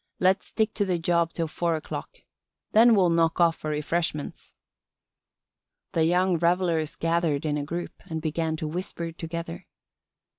Let's stick to the job till four o'clock. Then we'll knock off for refreshments." The young revelers gathered in a group and began to whisper together.